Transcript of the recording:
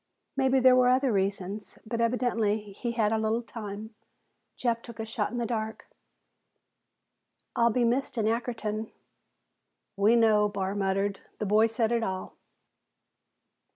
Maybe there were other reasons, but evidently he had a little time. Jeff took a shot in the dark. "I'll be missed in Ackerton." "We know," Barr muttered. "The boy said it all."